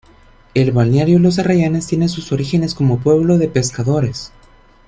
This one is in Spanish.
El balneario Los Arrayanes tiene sus orígenes como pueblo de pescadores.